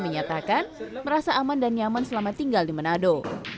menyatakan merasa aman dan nyaman selama tinggal di manado